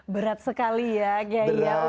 berat sekali ya